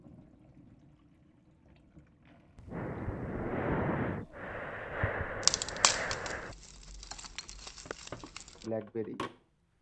যেমন বহুজাতিক বা কর্পোরেট ব্যবহারকারীদের জন্য বিশেষায়িত ই-মেইল সুবিধা নিয়ে এসেছিল ব্ল্যাকবেরি।